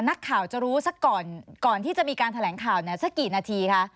นักข่าวจะรู้ก่อนที่จะมีการแถลงข่าวสักกี่นาทีคะ